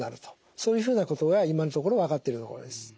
そういうふうなことが今のところ分かっているところです。